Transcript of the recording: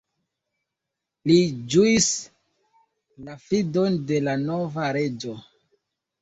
Li ĝuis la fidon de la nova reĝo.